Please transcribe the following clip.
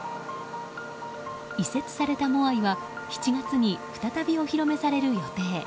移設されたモアイは７月に再びお披露目される予定。